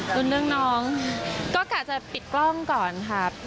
รุ้นเรื่องน้องก็กะจะปิดกล้องก่อนครับ